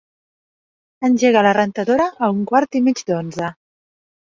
Engega la rentadora a un quart i mig d'onze.